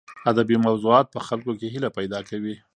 ادبي موضوعات په خلکو کې هیله پیدا کوي.